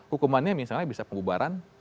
hukumannya misalnya bisa pengubaran